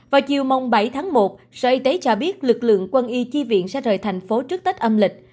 vào chiều mông bảy tháng một sở y tế cho biết lực lượng quân y chi viện sẽ rời thành phố trước tết âm lịch